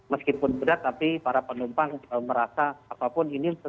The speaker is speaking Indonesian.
meskipun berat tapi para penumpang merasa apapun ini